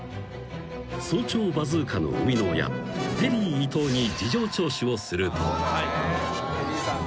［早朝バズーカの生みの親テリー伊藤に事情聴取をすると］